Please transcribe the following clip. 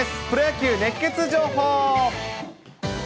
プロ野球熱ケツ情報。